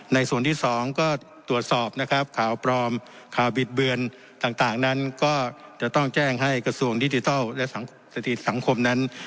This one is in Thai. ในส่วนที่สองก็ตรวจสอบนะครับข่าวปลอมข่าวบิดเบือนต่างต่างนั้น